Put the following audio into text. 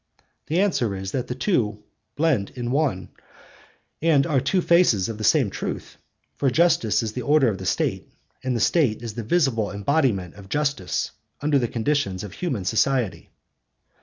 The answer is, that the two blend in one, and are two faces of the same truth; for justice is the order of the State, and the State is the visible embodiment of justice under the conditions of human society.